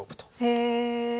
へえ。